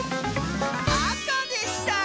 あかでした！